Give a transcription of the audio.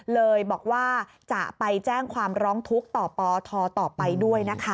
เลยบอกว่าจะไปแจ้งความร้องทุกข์ต่อปทต่อไปด้วยนะคะ